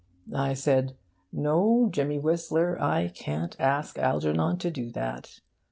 I said "No, Jimmy Whistler, I can't ask Algernon to do that.